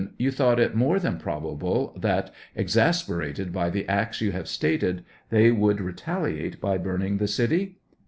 You thought it more than probable that, exas perated by the acts you have stated, they would re taliate by burning the city